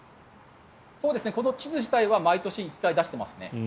この地図自体は毎年１回出していますね。